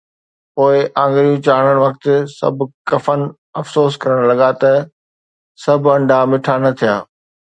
پوءِ آڱريون چاڙهڻ وقت سڀ ڪفن افسوس ڪرڻ لڳا ته سڀ انڊا مٺا نه ٿيا.